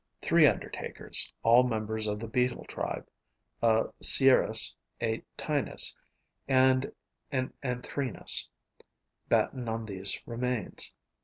Three undertakers, all members of the Beetle tribe, a Clerus, a Ptinus and an Anthrenus, batten on these remains.